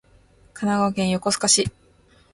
神奈川県横須賀市